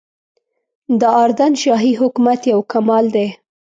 د اردن شاهي حکومت یو کمال دی.